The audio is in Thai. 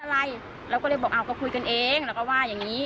อะไรเราก็เลยบอกอ้าวก็คุยกันเองเราก็ว่าอย่างนี้